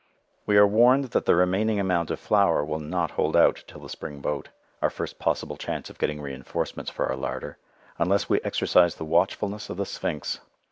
We are warned that the remaining amount of flour will not hold out till the spring boat our first possible chance of getting reinforcements for our larder unless we exercise the watchfulness of the Sphinx.